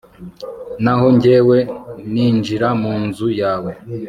naho jyewe, ninjira mu nzu yawe